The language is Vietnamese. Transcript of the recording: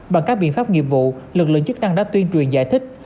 bằng các biện pháp nghiệp vụ lực lượng chức năng đã tuyên truyền giải thích